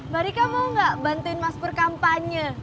barika mau gak bantuin mas pur kampanye